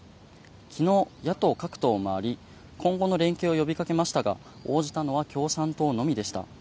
昨日、野党各党を回り今後の連携を呼びかけましたが応じたのは共産党のみでした。